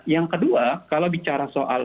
yang kedua kalau bicara soal